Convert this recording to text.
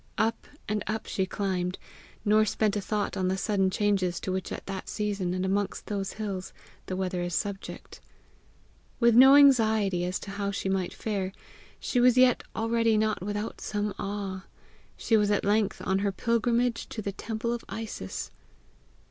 Up and up she climbed, nor spent a thought on the sudden changes to which at that season, and amongst those hills, the weather is subject. With no anxiety as to how she might fare, she was yet already not without some awe: she was at length on her pilgrimage to the temple of Isis!